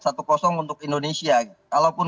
satu untuk indonesia kalaupun